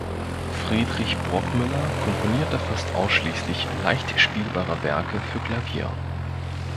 Friedrich Burgmüller komponierte fast ausschließlich leicht spielbare Werke für Klavier.